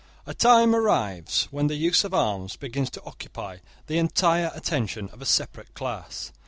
A time arrives when the use of arms begins to occupy the entire attention of a separate class.